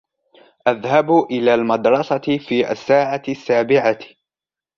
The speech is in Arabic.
أذهب إلى المدرسة في الساعة السابعة